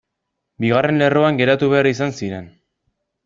Bigarren lerroan geratu behar izan ziren.